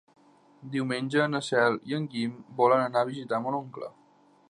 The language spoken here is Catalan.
Diumenge na Cel i en Guim volen anar a visitar mon oncle.